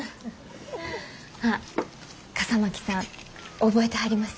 あっ笠巻さん覚えてはります？